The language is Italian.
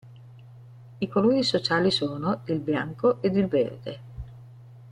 I colori sociali sono: il bianco ed il verde.